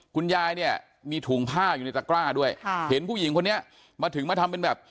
คุณยายเนี่ยมีถุงผ้าอยู่ในตะกร้าด้วยค่ะเห็นผู้หญิงคนนี้มาถึงมาทำเป็นแบบ